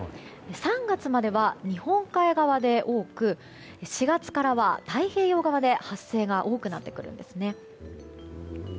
３月までは日本海側で多く４月からは太平洋側で発生が多くなってくるんですね。